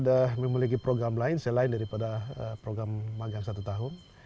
sudah memiliki program lain selain daripada program magang satu tahun